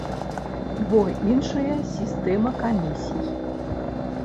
Бо іншая сістэма камісій.